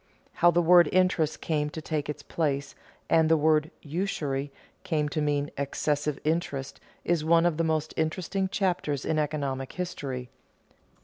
How the word interest came to take its place, and the word usury came to mean excessive interest is one of the most interesting chapters in economic history.